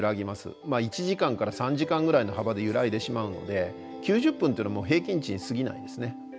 １時間から３時間ぐらいの幅で揺らいでしまうので９０分というのも平均値にすぎないですね。